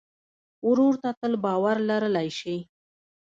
ورور ته تل باور لرلی شې.